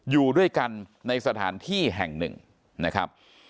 อยู่ด้วยกันในสถานที่แห่งหนึ่งนะครับ